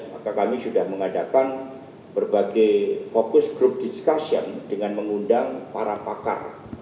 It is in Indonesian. maka kami sudah mengadakan berbagai fokus group discussion dengan mengundang para pakar